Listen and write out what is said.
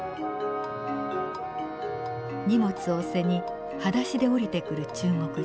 荷物を背にはだしで降りてくる中国人。